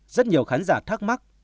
rất nhiều khán giả thắc mắc